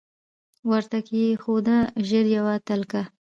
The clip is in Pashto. ورته کښې یې ښوده ژر یوه تلکه